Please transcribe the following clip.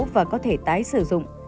và có thể tái sử dụng